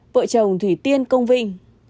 vợ chồng thủy tiên công vinh